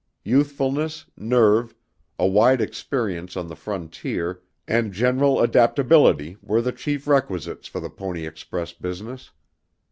Youthfulness, nerve, a wide experience on the frontier and general adaptability were the chief requisites for the Pony Express business.